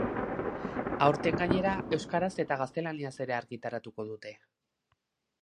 Aurten, gainera, euskaraz eta gaztelaniaz ere argitaratuko dute.